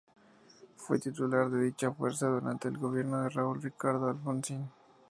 Fue titular de dicha fuerza durante el gobierno de Raúl Ricardo Alfonsín.